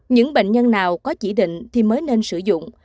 những bệnh nhân nào có chỉ định thì mới nên sử dụng